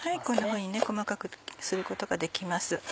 こんなふうに細かくすることができます。